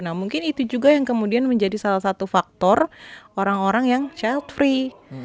nah mungkin itu juga yang kemudian menjadi salah satu faktor orang orang yang child free